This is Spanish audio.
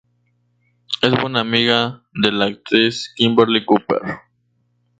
Es buena amiga de la actriz Kimberley Cooper.